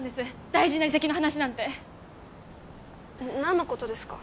大事な移籍の話なんて何のことですか？